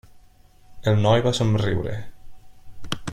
El noi va somriure.